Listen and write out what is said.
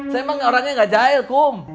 saya emang orangnya gak jahil kum